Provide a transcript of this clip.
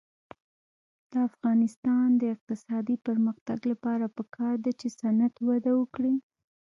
د افغانستان د اقتصادي پرمختګ لپاره پکار ده چې صنعت وده وکړي.